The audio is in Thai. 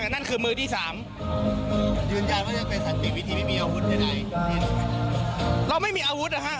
นั่นคือมือที่สามสันติวิธีไม่มีอาวุธในใดเราไม่มีอาวุธอ่ะฮะ